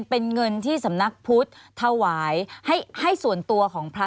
เป็นเงินที่สำนักพุทธถวายให้ส่วนตัวของพระ